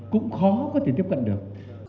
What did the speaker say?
cũng khó có thể tiếp cận được